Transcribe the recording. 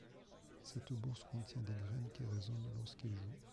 Cette bourse contient des graines qui résonnent lorsqu'il joue.